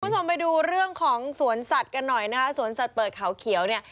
คุณผู้ชมไปดูเรื่องของสวนสัตว์กันหน่อยนะคะสวนสัตว์เปิดเขาเขียวเนี่ย